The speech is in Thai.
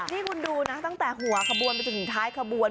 นี่คุณดูนะตั้งแต่หัวขบวนไปจนถึงท้ายขบวน